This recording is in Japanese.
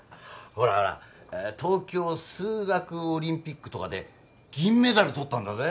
ほらほら東京数学オリンピックとかで銀メダル取ったんだぜ。